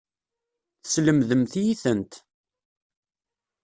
Teslemdemt-iyi-tent.